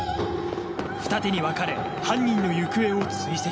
ふた手に分かれ犯人の行方を追跡